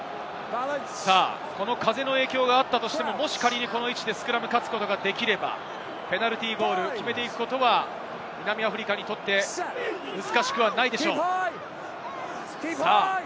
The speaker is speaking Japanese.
風の影響があったとしても、この位置でスクラムを勝つことができればペナルティーゴールを決めていくことは南アフリカにとって難しくはないでしょう。